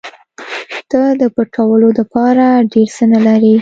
ته د پټولو دپاره ډېر څه نه لرې.